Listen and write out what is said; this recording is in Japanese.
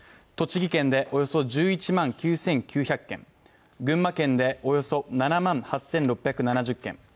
栃木県でおよそ１１万９９００軒群馬県でおよそ７万８６７０軒